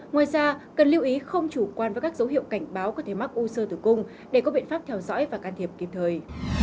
ngoài ra cần lưu ý không chủ quan với các dấu hiệu cảnh báo có thể mắc u sơ tử cung để có biện pháp theo dõi và can thiệp kịp thời